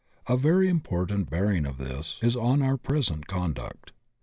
A very important bear ing of this is on our present conduct.